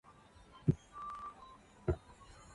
ne ok oyienwa rwako mon e grup ma ne wawerego.